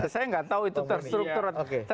saya tidak tahu itu terstruktur atau tidak